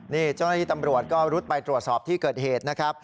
นี่เจ้าหน้าที่ตำรวจก็รุดไปตรวจสอบที่เกิดเหตุนะครับ